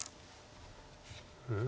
うん？